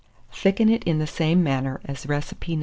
Thicken it in the same manner as recipe No.